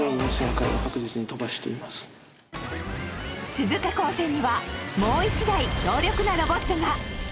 鈴鹿高専にはもう１台強力なロボットが。